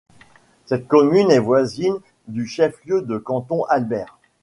Cette commune est voisine du chef de lieu de canton, Albert.